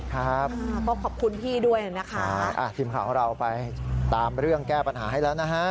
ครับก็ขอบคุณพี่ด้วยนะคะทีมข่าวของเราไปตามเรื่องแก้ปัญหาให้แล้วนะฮะ